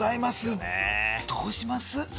どうします？